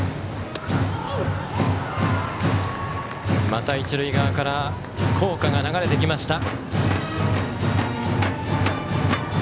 また一塁側から校歌が流れてきました。